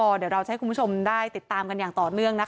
เดี๋ยวเราจะให้คุณผู้ชมได้ติดตามกันอย่างต่อเนื่องนะคะ